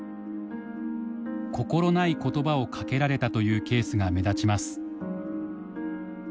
心ない言葉をかけられたというケースが目立ちます。